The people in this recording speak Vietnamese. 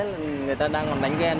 nhưng tuyệt nhiên không ai dám đàn thiệp